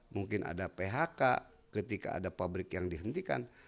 mungkin ada phk ketika ada pabrik yang dihentikan